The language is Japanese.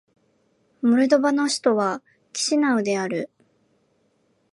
モルドバの首都はキシナウである